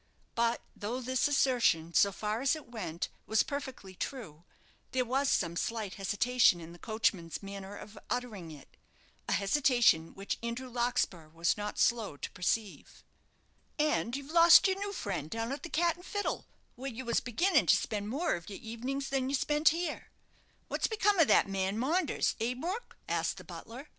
But though this assertion, so far as it went, was perfectly true, there was some slight hesitation in the coachman's manner of uttering it a hesitation which Andrew Larkspur was not slow to perceive. "And you've lost your new friend down at the 'Cat and Fiddle,' where you was beginning to spend more of your evenings than you spent here. What's become of that man Maunders eh, Brook?" asked the butler.